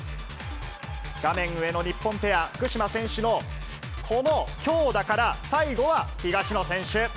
画面上の日本ペア、福島選手のこの強打から、最後は東野選手。